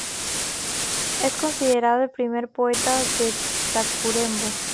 Es considerado el primer poeta de Tacuarembó.